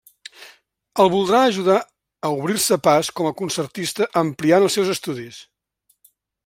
El voldrà ajudar a obrir-se pas com a concertista ampliant els seus estudis.